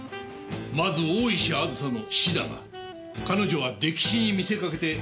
まず大石あずさの死だが彼女は溺死に見せかけて殺されたとみている。